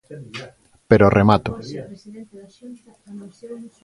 Pero remato.